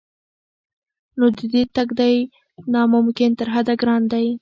نو د دې تګ دی نا ممکن تر حده ګران دی